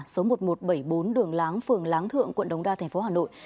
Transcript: số một nghìn một trăm bảy mươi bốn đường láng phường láng thượng quận đông đa thành phố hà nội